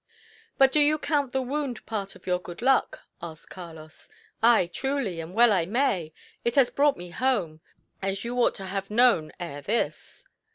"But do you count the wound part of your good luck!" asked Carlos. "Ay, truly, and well I may. It has brought me home; as you ought to have known ere this."